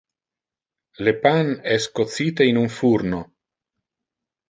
Le pan es cocite in un furno.